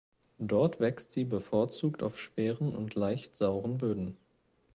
Dort wächst sie bevorzugt auf schweren und leicht sauren Böden.